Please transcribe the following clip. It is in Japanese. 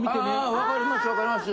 あわかりますわかります。